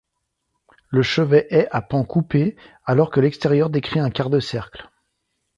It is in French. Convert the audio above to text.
Le chevet est à pans coupés, alors que l'extérieur décrit un quart-de-cercle.